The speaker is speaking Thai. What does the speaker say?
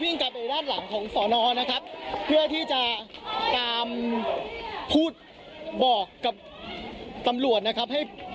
กลับไปด้านหลังของสอนอนะครับเพื่อที่จะตามพูดบอกกับตำรวจนะครับให้